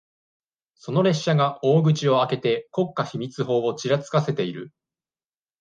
その列車が、大口を開けて、国家秘密法をちらつかせている。